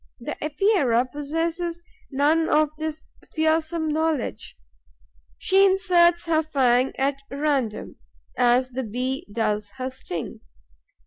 The Epeira possesses none of this fearsome knowledge. She inserts her fangs at random, as the Bee does her sting.